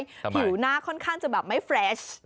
ผิวหน้าค่อนข้างจะแบบไม่เฟรช